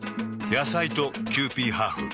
野菜とキユーピーハーフ。